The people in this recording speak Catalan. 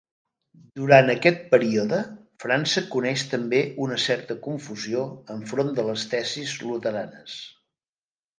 Durant aquest període, França coneix també una certa confusió enfront de les tesis luteranes.